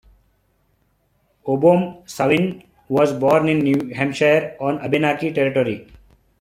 Obomsawin was born in New Hampshire on Abenaki Territory.